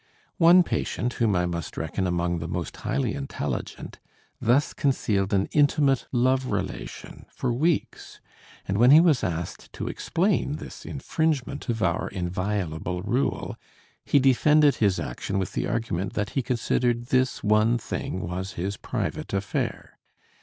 One patient, whom I must reckon among the most highly intelligent, thus concealed an intimate love relation for weeks; and when he was asked to explain this infringement of our inviolable rule, he defended his action with the argument that he considered this one thing was his private affair.